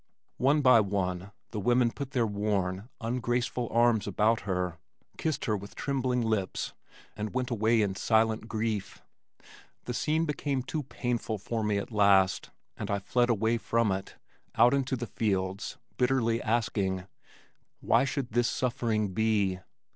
One by one the women put their worn, ungraceful arms about her, kissed her with trembling lips, and went away in silent grief. The scene became too painful for me at last, and I fled away from it out into the fields, bitterly asking, "Why should this suffering be?